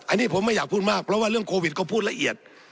อันนี้ผมไม่อยากพูดมากเพราะว่าเรื่องโควิดก็พูดละเอียด